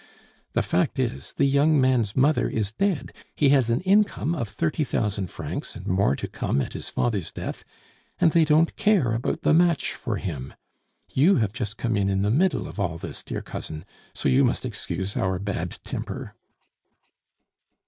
The fact is, the young man's mother is dead; he has an income of thirty thousand francs, and more to come at his father's death, and they don't care about the match for him. You have just come in in the middle of all this, dear cousin, so you must excuse our bad temper."